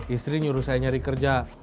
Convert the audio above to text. istri nyuruh saya nyari kerja